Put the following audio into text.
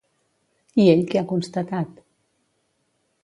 I ell què ha constatat?